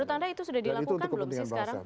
baru tanda itu sudah dilakukan belum sih sekarang